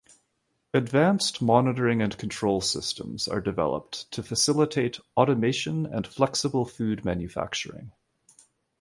Advanced monitoring and control systems are developed to facilitate automation and flexible food manufacturing.